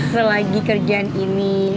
selagi kerjaan ini